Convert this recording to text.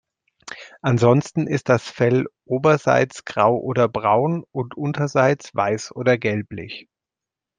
Ansonsten ist das Fell oberseits grau oder braun und unterseits weiß oder gelblich.